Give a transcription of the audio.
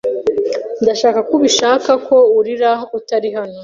Ndashaka ko ubishaka, ko urira utari hano